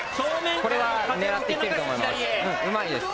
これは狙っていってると思います。